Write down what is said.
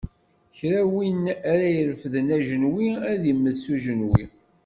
Kra n win ara irefden ajenwi, ad immet s ujenwi.